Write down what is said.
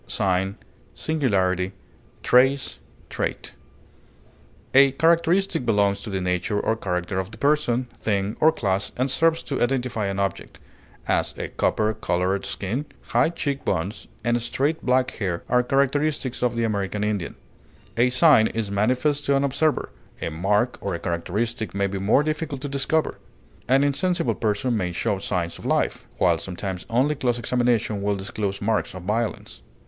distinction, mark, quality, A characteristic belongs to the nature or character of the person, thing, or class, and serves to identify an object; as, a copper colored skin, high cheek bones, and straight, black hair are characteristics of the American Indian. A sign is manifest to an observer; a mark or a characteristic may be more difficult to discover; an insensible person may show signs of life, while sometimes only close examination will disclose marks of violence.